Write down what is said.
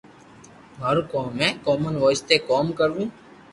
ماروڪوم ھي ڪومن وائس تي ڪوم ڪروُ